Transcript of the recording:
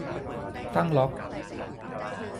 ตั้งล็อก